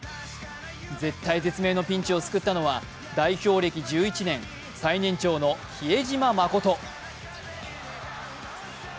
絶体絶命のピンチを救ったのは代表歴１１年最年長の比江島慎。